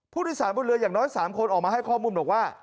ผู้โดยสารบนเรืออย่างน้อย๓คนออกมาให้ข้อมูลบอกว่า